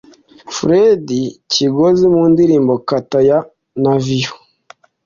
Fred Kigozi mu ndirimbo Kata ya Navio